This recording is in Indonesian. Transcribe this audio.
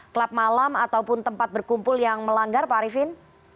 klub malam ataupun tempat berkumpul yang melanggar pak arifin